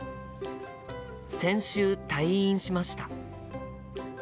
先週退院しました。